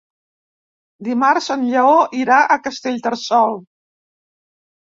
Dimarts en Lleó irà a Castellterçol.